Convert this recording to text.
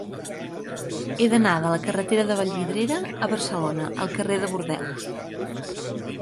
He d'anar de la carretera de Vallvidrera a Barcelona al carrer de Bordeus.